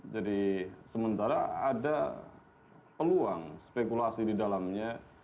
jadi sementara ada peluang spekulasi di dalamnya